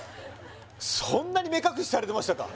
そんなに目隠しされてましたか？